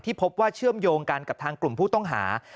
พบว่าเชื่อมโยงกันกับทางกลุ่มผู้ต้องหา